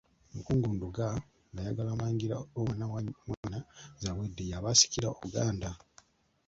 Omukungu Ndugga ng'ayagala Mulangira omwana wa mwannyina Zaawedde ye aba asikira Obuganda.